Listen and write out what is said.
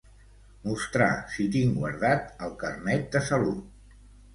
Mostrar si tinc guardat el Carnet de salut.